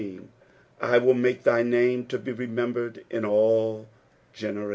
— "I mil make thy name to be TemeTithered in all generatkiu."